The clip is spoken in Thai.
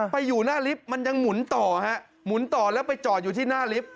ไปอยู่หน้าลิฟต์มันยังหมุนต่อฮะหมุนต่อแล้วไปจอดอยู่ที่หน้าลิฟต์